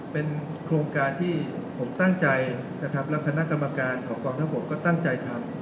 เป็นโครงการที่ผมตั้งใจนะครับแล้วคณะกรรมการของกองทัพบกก็ตั้งใจทำ